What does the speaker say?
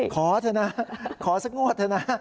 ขอเถอะนะขอสักงวดเถอะนะ